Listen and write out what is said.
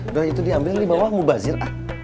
nah itu diambil di bawah mubazir